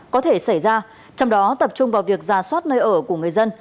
có thể xảy ra trong đó tập trung vào việc giả soát nơi ở của người dân